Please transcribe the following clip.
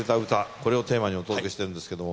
これをテーマにお届けしてるんですけども。